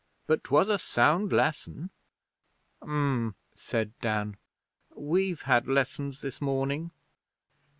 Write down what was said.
But 'twas a sound lesson.' 'Um,' said Dan. 'We've had lessons this morning.'